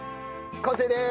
完成です！